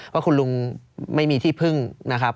ว่าคุณลุงไม่มีที่พึ่งนะครับ